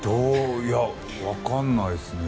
いや、わからないですね。